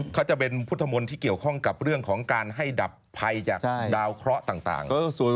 เขาจะเป็นพุทธมนต์ที่เกี่ยวข้องกับเรื่องของการให้ดับภัยจากดาวเคราะห์ต่าง